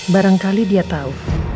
barangkali dia tahu